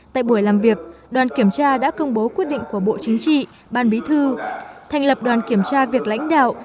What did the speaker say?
tại buổi làm việc đoàn kiểm tra đã công bố quyết định của bộ chính trị ban bí thư thành lập đoàn kiểm tra việc lãnh đạo